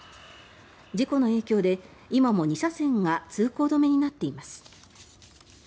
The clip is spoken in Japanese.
事故の影響で、今も２車線が通行止めになっています。